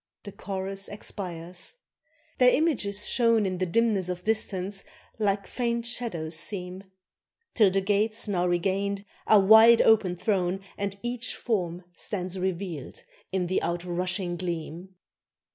The chorus expires: their images shown In the dimness of distance like faint shadows seem; Till the gates now regained are wide open thrown, And each form stands revealed in the outrushing gleam.